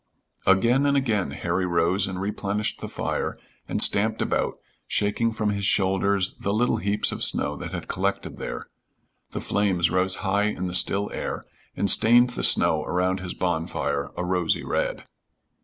Again and again Harry rose and replenished the fire and stamped about, shaking from his shoulders the little heaps of snow that had collected there. The flames rose high in the still air and stained the snow around his bonfire a rosy red.